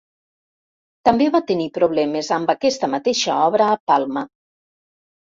També va tenir problemes amb aquesta mateixa obra a Palma.